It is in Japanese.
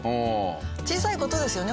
小さい事ですよね